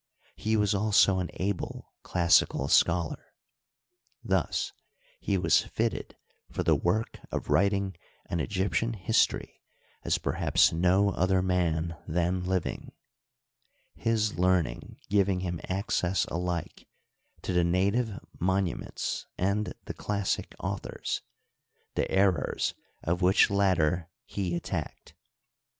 He was also an able classical scholar. Thus he was fitted Digitized by CjOOQR ao HISTORY OF EGYPT, for the work of writing an Egyptian history as perhaps no other man then living, his learning giving him access alike to the native monuments and the ckSsic authors, the errors of which latter he attacked.